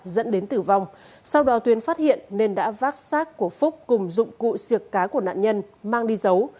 dẫn đến tử vong sau đó tuyến phát hiện nên đã vác sát của phúc cùng dụng cụ siệc cá của nạn nhân mang đi giấu